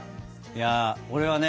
いや俺はね